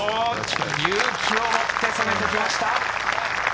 勇気を持って攻めてきました。